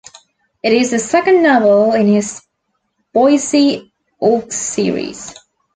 It is the second novel in his Boysie Oakes series.